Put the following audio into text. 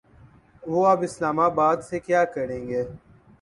وہ اب اسلام آباد سے کیا کریں گے۔